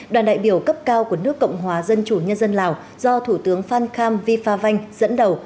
đoàn đại biểu cấp cao của nước cộng hòa dân chủ nhân dân lào do thủ tướng phan kham vifa vanh dẫn đầu